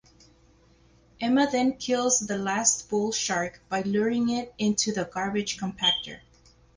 Emma then kills the last bull shark by luring it into the garbage compactor.